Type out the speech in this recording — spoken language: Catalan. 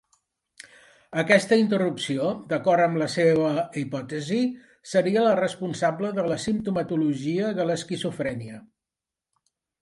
Aquesta interrupció, d'acord amb la seua hipòtesi, seria la responsable de la simptomatologia de l'esquizofrènia.